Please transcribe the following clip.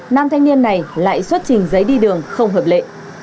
nam thanh niên này lại xuất trình giấy đi đường không hợp lệ